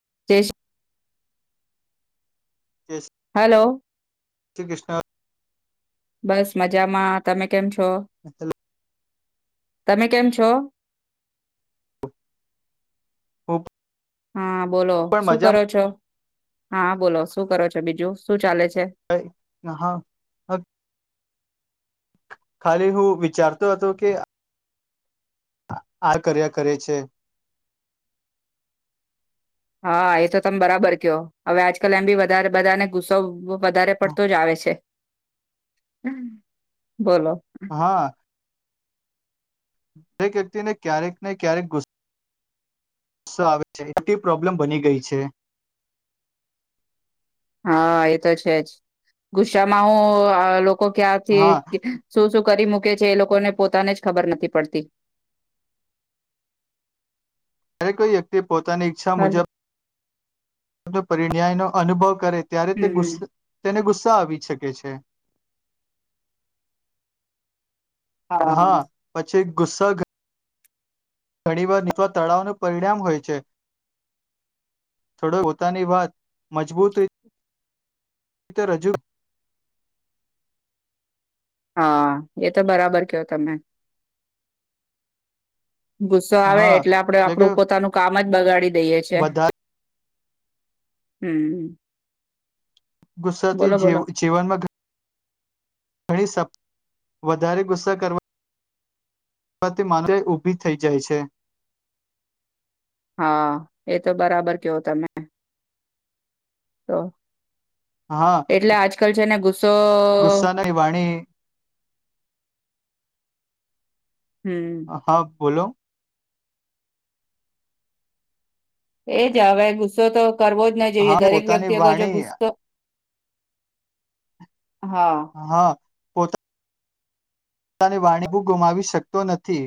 [inaudible] [inaudible] Hello. Shri Krishna. બસ મજામાં. તમે કેમ છો? હેલો, તમે કેમ છો? ખૂબ હા, બોલો. શું કરો છો? હા બોલો. શું કરો છો બીજું? શું ચાલે છ [inaudible] ખાલી હું વિચારતો હતો કે આર કર્યા કરે છે હા એ તો તમે બરાબર કયો હવે આજકાલ એમ બી વધારે બધાને ગુસ્સો વધારે પડતો જ આવે છે. હમ. બોલો. હા દરેક વ્યક્તિને ક્યારેકને ક્યારેક ગુસ્સ સો આવે છે એલી પ્રોબ્લેમ બની ગઈ છે. હા એ તો છે જ ગુસ્સામાં હું લોકો લોકો ક્યાંથી હા શું શું કરી મકી છે એ લોકોને પોતાને જ ખબર નથી પડતી. ત્યારે કોઈ વ્યક્તિ પોતાની ઈચ્છા હલો. મુજબ પરિણ્યાય નો અનુભવ કરે છે ત્યારે તે ગુ હમ તેને ગુ આવી શકે છે. હા પછી. ગુસ્સા ઘણી વાર નીચવા તળાવનું પરિણામ હોય છે, થોડો પોતાની વાત મજબૂત ર એ તો રજુ હા એ તો બરાબર કયો તમે ગુસ્સો આવે હા એટલે આપડે કે આપડું પોતાનું કામ મ બગાડી દઈએ છે. વધારે હમ્મ. ગુસ્સાથી જીવનમાં ઘણી સ વધારે ગુસ્સા કરવા તે માત્ર ઊભી થઈ જાય છે. હા એ તો બરાબર કેવો તમે તો એટલે આજકાલ છે ને ગુસ્સ ગુસ્સા નહી વાણી હમ હા. બોલો. એ જ હવે ગુસ્સો તો કરવો જ ના હા જઈએ દરેક પોતાની વ્યક્તિ અગર જો વાણી ગુસ્સો હા. પોતા પોતાની વાણી ગુમાવી શકતો નથી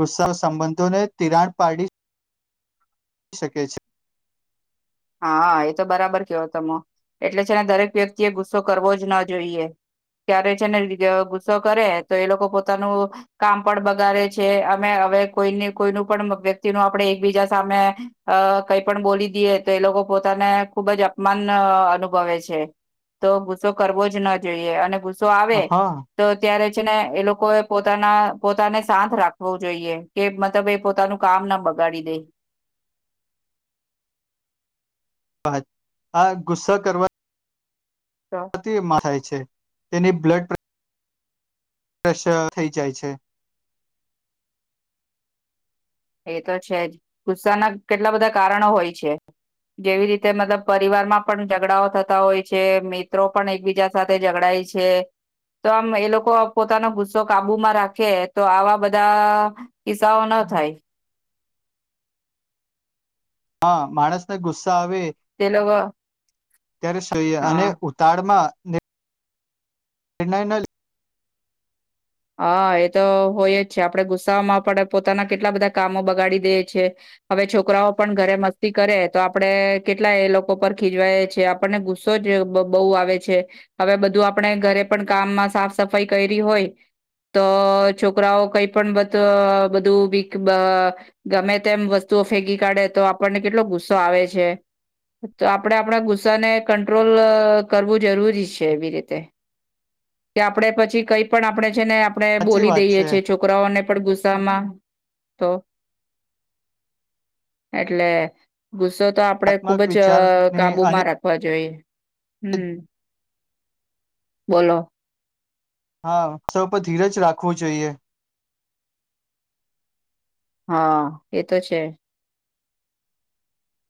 ગુસ્સા સંબંધોને તિરાડ પાડી શકે છે. હા એ તો બરાબર કેવો ત એટલે છે ને દરેક વ્યક્તિ એ ગુસ્સો કરવો જ ન જોઈએ, ક્યારે છે ને ગુસ્સો કરે તો એ લોકો પોતાનું કામ પણ બગાડે છે અને હવે કોઈ કોઈનું પણ વ્યક્તિ ન આપણે એકબીજા સામે કઈ પણ બોલી દઈએ. તો એ લોકો પોતાને ખુબ જ અપમાન અનુભવે છે તો ગુસ્સો કરવો જ ન જોઈએ અને ગુ ગુસ્સો આવે હા તો ત્યારે છે ને એ લોકો એ પોતાના પોતાને સાથ રાખવું જોઈએ કે મતલબ એ પોતાનું કામ ના બગાડી દે. આ ગુસ્સા કરવા તો [unintelligible] તેની બ્લડ પ્રે શર થઈ જાય છે. એ તો છે જ ગુસ્સાના કેટલા બધા કારણો હોય છે. જેવી રીતે મતલબ પરિવારમાં પણ ઝઘડાઓ થતા હોય છે, મિત્રો પણ એકબીજા સાથે ઝઘડાય છે, તો આમ એ લોકો પોતાનો ગુસ્સો કાબુમાં રાખે તો આવા બધા કિસ્સાઓ ન થાય. હા માણસને ગુસ્ તે લોગો ત્યારે સઈએ અને ઉતાળ માં એનાના હા એ તો હોય જ છે, આપડે ગુસ્સામાં આપણા પોતાના કેટલા બધા કામો બગાડી દેએ છીએ. હવે છોકરાઓ પણ ઘરે મસ્તી કરે તો આપડણે કેટલા એ લોકો પર ખીજવાય છીએ આપણને ગુસ્સો જ બહુ આવે છે, હવે બધું આપણે ઘરે પણ કામમાં સાફ સફાઈ કરી હોય. તો છોકરાઓ કઈ પણ બ બધું બ ગમે તેમ વસ્તુઓ ફેંકી કાઢે તો આપણને કેટલો ગુસ્સો આવે છે, તો આપણેે આપણા ગુસ્સાને કંટ્રોલ અ કરવું જરૂરી છે. એવી રીતે કે આપણે પછી કઈ પણ આપણે છે ને આપડણે સાચી બોલી વાત દઈએ છે છીએ છોકરાઓને પણ ગુસ્સામાં તો એટલે ગુસ્સો તો આપડે ખુબ આત્મક જ વિચારને અને કાબુમાં રાખવા જોઈએ. હમ્મ બોલો હા [unintelligible] ધીરજ રાખવું જોઈએ. હા એ તો છે.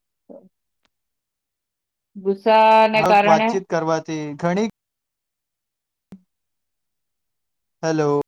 [inaudible] ગુસ્સો સા ને કારણે તે ઘણી હલો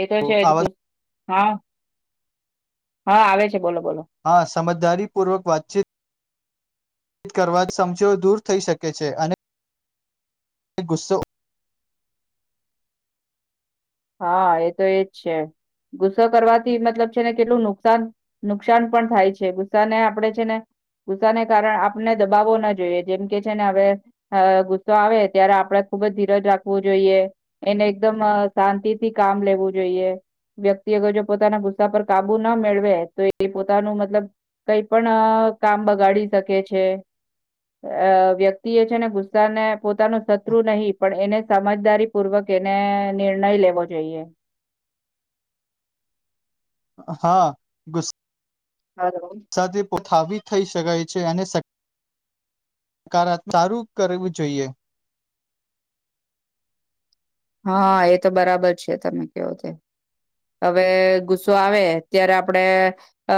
એ તો છે જ હા હા આવે છે બોલો બોલો હા સમજદારીપૂર્વક વાતચીત કરવા સમજો દૂર થઈ શકે છે અને ગુસ્સો હા એ તો એજ છે ગુસ્સો કરવાથી મતલબ છેને કેટલું નુકસાન નુકસાન પણ થાય છે ગુસ્સાને આપણે છે ને ગુસ્સાને કારણે આપને દબાવવો ના જોઈએ જેમ કે છે ને હવે ગુસ્સો આવે ત્યારે આપણે ખુબ જ ધીરજ રાખવું જોઈએ એને એકદમ શાંતિ થી કામ લેવું જોઈએ વ્યક્તિ અગર જો પોતાના ગુસ્સા પર કાબુ ના મેળવે તો એ પોતાનું મતલબ કઈ પણ કામ બગાડી શકે છે અ વ્યક્તિ એ છે ને ગુસ્સાને પોતાનો શત્રુ નહીં પણ એને સમજદારી પૂર્વક એને નિર્ણય લેવો જોઈએ. હા ગુસ હલો. સાથી [unintelligible] થઈ શકાય છે અને [unintelligible] સારું કરવું જોઈએ. હા એ તો બરાબર છે તમે કેવો તે હવે ગુસ્સો આવે ત્યારે આપણેે અ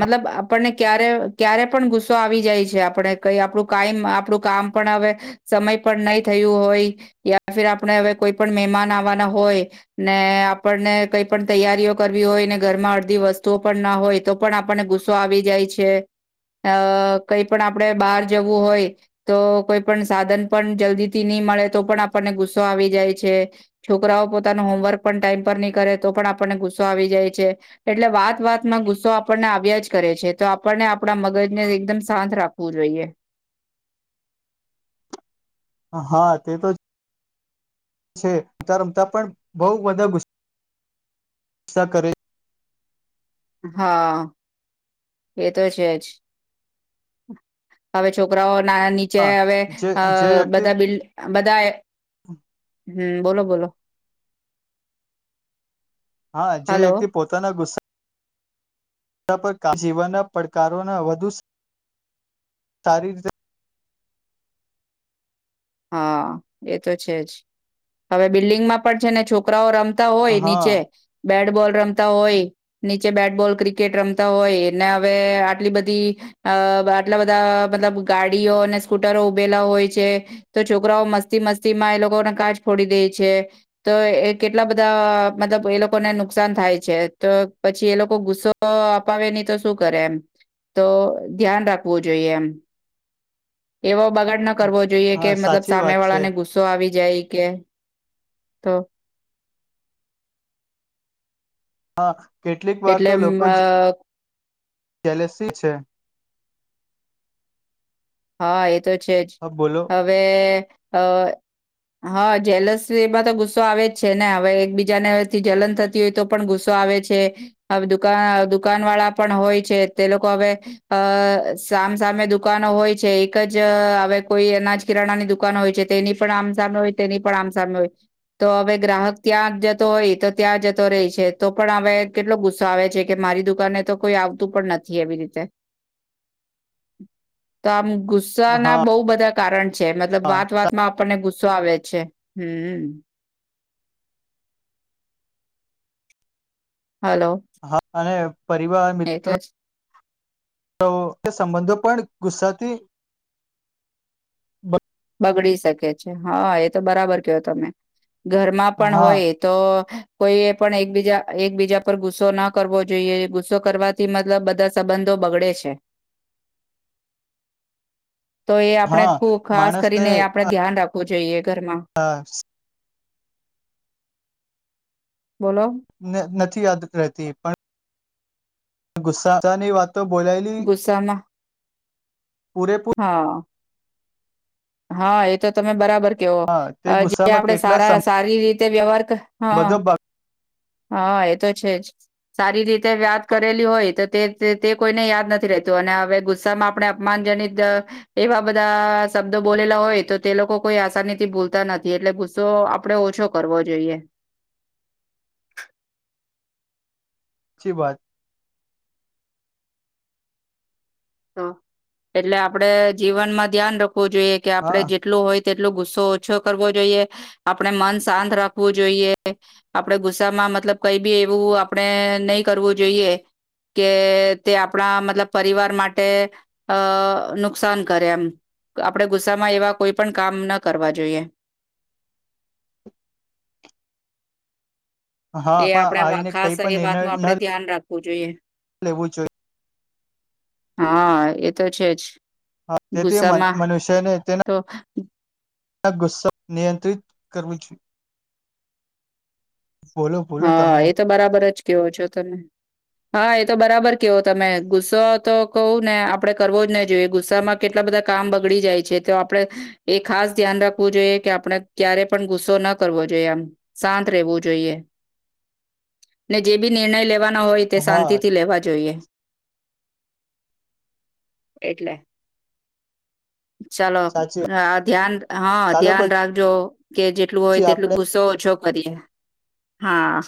મતલબ આપણને ક્યારે ક્યારે પણ ગુસ્સો આવી જાય છે આપણે કઈ આપણું કાઈમ આપણું કામ પણ હવે સમય પણ નહી થયું હોય યા ફિર આપણે હવે કોઈ પણ મહેમાન આવવાના હોય ને આપણને કઈ પણ તૈયારીઓ કરવી હોય ને ઘરમાં અડધી વસ્તુઓ પણ ના હોય તો પણ આપણને ગુસ્સો આવી જાય છે. અ કઈ પણ આપણેે બહાર જવું હોય તો કોઈ પણ સાધન પણ જલ્દી થી ની મળે તો પણ આપણને ગુસ્સો ગુસ્સો આવી જાય છે. છોકરાઓ પોતાનું હોમવર્ક પણ ટાઈમ પર ની કરે તો પણ આપણને ગુસ્સો આવી જાય છે. એટલે વાત વાતમાં ગુસ્સો આપણને આવ્યા જ કરે છે. તો આપણને આપણા મગજને એકદમ શાંત રાખવું જોઈએ. હા તે તો છે રમતા રમતા પણ બઉ બધા ગુસ્ સા કરે. હા એ તો છે જ હવે છોકરાઓ [unintelligible] નીચે હા હવે જે અ જે વ્યક્તિ બધા બિલ બધા હમ્મ. બોલો બોલો. હા જે હલો વ્યક્તિ પોતાના ગુસ્સે જીવનના પડકારોના વધુ સારી રીતે હા એ તો છે જ હવે બિલ્ડિંગમાં પણ છે ને છોકરાઓ રમ તા હોય હા નીચે બેટબોલ રમતા હોય નીચે બેટબોલ ક્રિકેટ રમતા હોય ને હવે આટલી બધી અ આટલા બધા મતલબ ગાડીઓ અને સ્કૂટરો ઉભેલા હોય છે. તો છોકરાઓ મસ્તી મસ્તીમાં એ લોકોને કાચ ફોડી દે છે તો એ કેટલા બધા મતલબ એ લોકોને નુકસાન થાય છે તો પછી એ લોકો ગુસ્સો અપાવે નહી તો શું કરે એમ તો ધ્યાન રાખવું જોઈએ એમ એવો બગાડ ના કરવો જોઈએ. કે હા મતલબ સાચી સામે વાત વાળા છે ને ગુસ્સો આવી જાય. કે તો હા. કેટલીક એટલે અ કેલેસી છે. હા એ તો છે જ હા, બોલો હવે. અ હા જેલસ એમાં તો ગુસ્સો આવે જ છે ને હવે એકબીજાનેથી જલન થતી હોય તો પણ ગુસ્સો આવે છે હવે દુ દુકાન વાળા પણ હોય છે તે લોકો હવે અ સામસામે દુકાનો હોય. એક જ હવે કોઈ અનાજ કિરાણાની દુકાન હોય છે તે એની પણ આમ સામે ન હોય તેની પણ આમ સાારનો હોય તો હવે ગ્રાહક ત્યાં જતો હોય તો ત્યાં જતો રહે છે તો પણ હવે કેટલો ગુસ્સો આવે છે કે મારી દુકાનને તો કોઈ આવતું પણ નથી એવી રીતે તમ ગુસ્સા ના હા બહુ બધા કારણ છે મતલબ વાત વાતમાં આપણને ગુસ્ ગુસ્સો આવે છે હમ. હલો હા અને પરિવાર એ મિત્ર તો એ સંબંધો પણ ગુસ્સાથી બગડી શકે છે હા એ તો બરાબર કયો તમે. ઘરમાં પણ હા હોય એતો. કોઈએ પણ એકબીજા એકબીજા પર ગુસ્સો ના કરવો જોઈએ ગુસ્સો કરવાથી મતલબ બધા સંબંધો બગડે છે. તો એ આપણે હા ખુબ ખાસ ને આપણે ધ્યાન રાખું. જોઈએ. ઘરમાં હા. બોલો. ને નથી યાદ રહેતી પણ ગુસ્સા ની વાત તો બોલાયલી ગુસ્સામાં હા હા એ તો તમે બરાબર કેઓ હા તે જે ગુસ્સામાં આપણે કેટલા સારા સારી રીતે વ્યવહાર હ સંબંધો હા એ તો છે જ સારી રીતે વાયાત કરેલી હોય તો તે તે કોઈને યાદ નથી રતું અને હવે ગુસ્સામાં આપણે અપમાનજનિત એવા બધા સબ બોલેલા હોય તો તે લોકો કોઈ આસાનીથી ભૂલતા નથી એટલે ગુસ્સો આપણે ઓછો કરવો જોઈએ સાચચી વાત તો એટલે આપડે જીવનમાં ધ્યાન રાખવુ જોઈએ કે આપડણે હા જેટલૂ હોય જેટલો ગુસ્સો ઓછો કરવો જોઈએ આપણે મન શાંત રાખવું જોઈએ આપડે ગુસ્સામાં મતલબ કઈ બી એવું આપણે નહી કરવું જોઈએ કે તે આપણા મતલબ પરિવાર માટે તે નુકસાન કરે એમ આપણે ગુસ્સામાં એવા કોઈ પણ કામ ના કરવા જોઈએ હા એ આપણે આવીને કઈ ખાસ એ પણ વાતનું નિર્ણય આપણે ન ધ્યાન રાખવું જોઈએ લેવું જોઈએ હા એ તો છે જ હા તેથી ગુસ્સામાં મનુષ્યને તો તેના ગુસ્સા નિયંત્રિત કરવો જોઈએ બોલો બોલો તમે હા એ તો બરાબર જ કેયો છો તમે હા એ તો બરાબર કેયો તમે ગુસ્સો તો કહું ને આપડે કરવો જ નહી જોઈએ ગુસ્સામાં કેટલા બધા કામ બગડી જાય છે તો આપડણે એ ખાસ ધ્યાન રાખવું જોઈએ કે આપણે ક્યારે પણ ગુસ્સો ન કરવો જોઈએ આમ શાંત રેવું જોઈએ ને જે બી નિર્ણય લેવા ના હોય તે હા શાંતિથી લેવા જોઈએ એટલે ચાલો સાચી હા ધ્યાન હા ચાલો ધ્યાન રાખજો કે જેટલું હોય પછી તેટલું આપડે ગુસ્સો ઓછો [inaudible] હા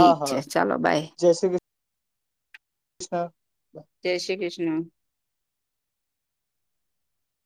હા છે હા ચાલો બાય જય શ્રી કૃષ્ણ જય શ્રી કૃષ્ણ